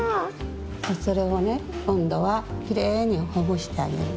それをねこんどはきれいにほぐしてあげるの。